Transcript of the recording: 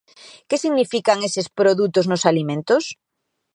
Que significan eses produtos nos alimentos?